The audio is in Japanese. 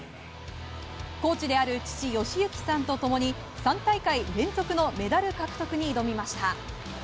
コーチである父・義行さんと共に３大会連続のメダル獲得に挑みました。